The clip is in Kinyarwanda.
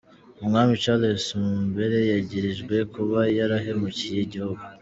Umwami Charles Mumbere, yagirijwe kuba yarahemukiye igihugu.